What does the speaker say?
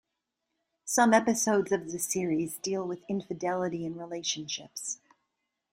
Some episodes of the series deal with infidelity in relationships.